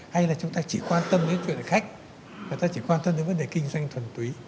hay là chúng ta chỉ quan tâm đến chuyện khách người ta chỉ quan tâm đến vấn đề kinh doanh thuần túy